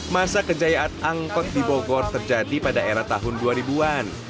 masa kejayaan angkot di bogor terjadi pada era tahun dua ribu an